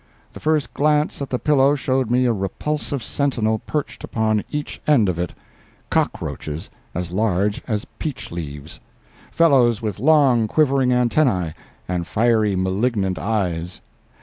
The first glance at the pillow showed me a repulsive sentinel perched upon each end of it—cockroaches as large as peach leaves—fellows with long, quivering antennae and fiery, malignant eyes.